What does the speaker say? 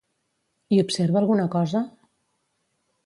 I observa alguna cosa?